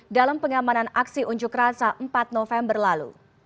dalam pengamanan aksi unjuk rasa empat november lalu